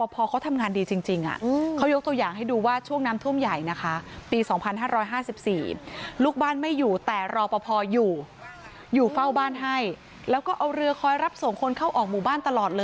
เฝ้าบ้านให้แล้วก็เอาเรือคอยรับโสงคนเข้าออกหมู่บ้านตลอดเลยค่ะ